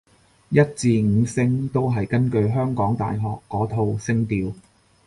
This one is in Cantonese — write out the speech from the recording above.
一至五聲都係根據香港大學嗰套聲調